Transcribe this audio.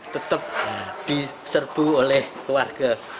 tetap diserbu oleh warga